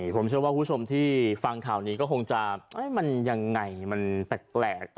ผมเชื่อว่าคุณผู้ชมที่ฟังข่าวนี้ก็คงจะมันยังไงมันแปลก